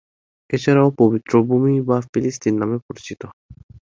এছাড়াও পবিত্র ভূমি বা ফিলিস্তিন নামে পরিচিত।